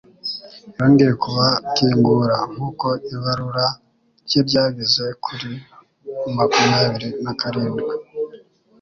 Yongeye kubakingura nkuko ibarura rye ryageze kuri makumyabiri na karindwi